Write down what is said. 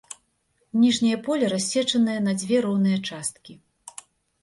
Ніжняе поле рассечанае на дзве роўныя часткі.